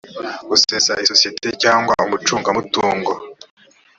gusesa isosiyete cyangwa umucunga mutungo